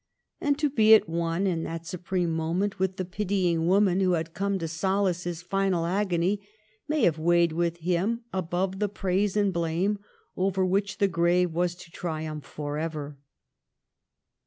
And to be at one, in that supreme moment, With the pitying woman who had come to solace his final agony, may have weighed with him above the praise and blame over which the grave was to triumph forever.